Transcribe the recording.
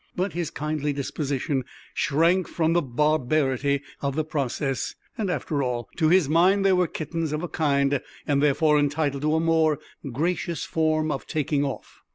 But his kindly disposition shrank from the barbarity of the process; and, after all, to his mind they were kittens of a kind, and therefore entitled to a more gracious form of taking off.